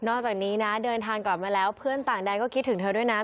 จากนี้นะเดินทางกลับมาแล้วเพื่อนต่างแดนก็คิดถึงเธอด้วยนะ